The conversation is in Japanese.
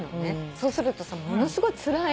そうするとさものすごいつらい。